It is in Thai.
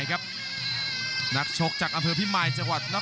กรุงฝาพัดจินด้า